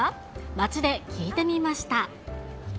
街で聞いてみました。